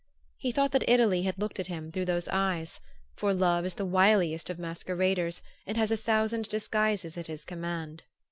He thought that Italy had looked at him through those eyes; for love is the wiliest of masqueraders and has a thousand disguises at his command.